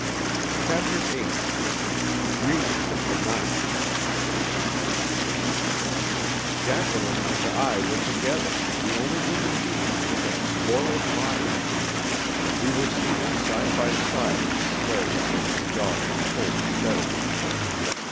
CHAPTER VIII DREAMS OF THE NIGHT Jacqueline and I were together, the only human beings within a score of miles. We were seated side by side in the sleigh at which the dogs pulled steadily.